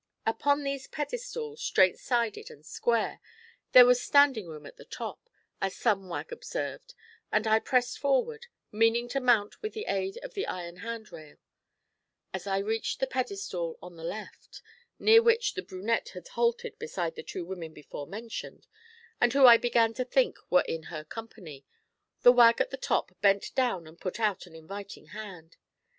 Upon these pedestals, straight sided and square, there was 'standing room at the top,' as some wag observed, and I pressed forward, meaning to mount with the aid of the iron handrail; as I reached the pedestal on the left, near which the brunette had halted beside the two women before mentioned, and who I began to think were in her company, the wag at the top bent down and put out an inviting hand.